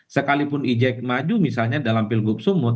sekalipun ejek maju misalnya dalam pilgub sumut